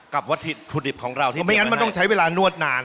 วัตถุดิบของเราที่ไม่งั้นมันต้องใช้เวลานวดนาน